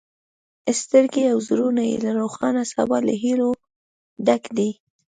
سترګې او زړونه یې له روښانه سبا له هیلو ډک دي.